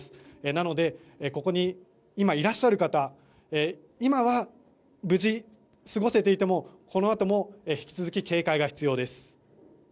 なので、ここに今いらっしゃる方今は無事、過ごせていてもこのあとも引き続き警戒が必要です。